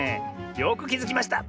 よくきづきました！